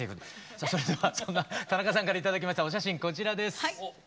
さあそれではそんな田中さんから頂きましたお写真こちらです。